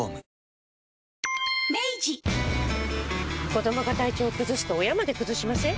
子どもが体調崩すと親まで崩しません？